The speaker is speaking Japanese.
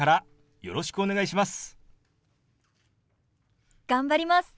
よろしくお願いします。